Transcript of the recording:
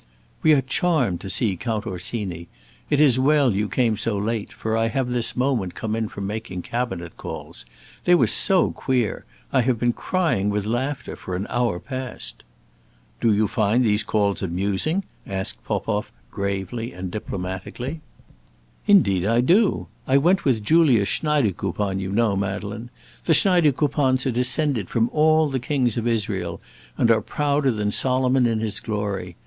"We are charmed to see Count Orsini. It is well you came so late, for I have this moment come in from making Cabinet calls. They were so queer! I have been crying with laughter for an hour past." "Do you find these calls amusing?" asked Popoff, gravely and diplomatically. "Indeed I do! I went with Julia Schneidekoupon, you know, Madeleine; the Schneidekoupons are descended from all the Kings of Israel, and are prouder than Solomon in his glory.